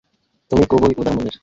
তুমি খুবই উদার মনের।